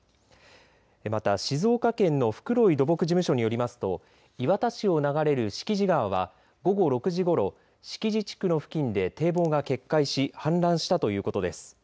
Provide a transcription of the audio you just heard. また静岡県の袋井土木事務所によりますと磐田市を流れる敷地川は午後６時ごろ敷地地区の付近で堤防が決壊し氾濫したということです。